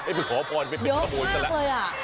ให้ไปขอพรไปเป็นกระโหยซะละเยอะมากเลยอ่ะ